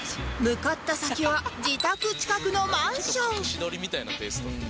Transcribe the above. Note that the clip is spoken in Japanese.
向かった先は自宅近くのマンションちょっと隠し撮りみたいなテイスト。